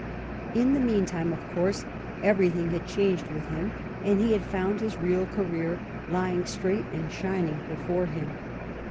In the meantime, of course, everything had changed with him, and he had found his real career lying straight and shining before him.